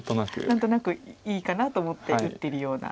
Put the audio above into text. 何となくいいかなと思って打ってるような。